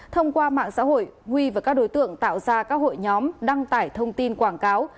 thông qua mạng xã hội huy và các đối tượng tạo ra các hội nhóm đăng tải thông tin quảng cáo